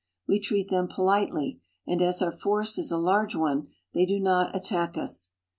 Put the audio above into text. We treat them politely, md as our force is a large one they do not attack us.